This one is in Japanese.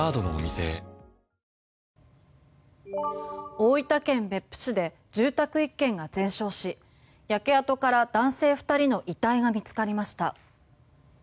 大分県別府市で住宅１軒が全焼し焼け跡から男性２人の遺体が見つかりました。